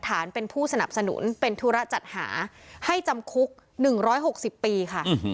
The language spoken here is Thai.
ฐานเป็นผู้สนับสนุนเป็นธุระจัดหาให้จำคุก๑๖๐ปีค่ะ